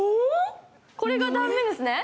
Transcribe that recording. これが断面ですね？